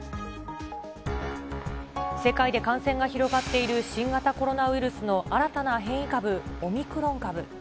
世界で感染が広がっている新型コロナウイルスの新たな変異株、オミクロン株。